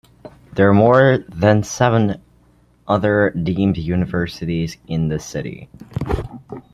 There are more than seven other deemed universities in the city.